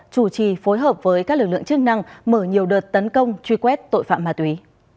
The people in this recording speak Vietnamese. chủ trì phối hợp với các lực lượng chức năng mở nhiều đợt tấn công truy quét tội phạm ma túy